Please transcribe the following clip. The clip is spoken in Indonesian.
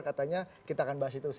katanya kita akan bahas itu